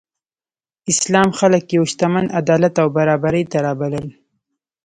اسلام خلک یو څښتن، عدالت او برابرۍ ته رابلل.